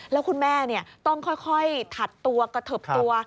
แล้วคุณแม่ต้องค่อยถัดตัวกระเทิบตัว